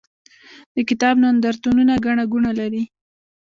د کتاب نندارتونونه ګڼه ګوڼه لري.